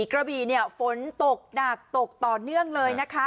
กระบี่เนี่ยฝนตกหนักตกต่อเนื่องเลยนะคะ